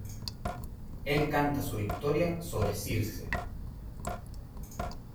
Él canta su victoria sobre Circe.